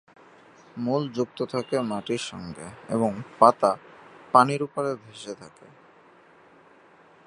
মূল যুক্ত থাকে মাটির সঙ্গে এবং পাতা পানির উপর ভেসে থাকে।